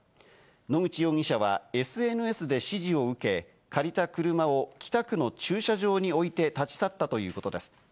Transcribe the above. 野口容疑者はＳＮＳで指示を受け、借りた車を北区の駐車場に置いて立ち去ったということです。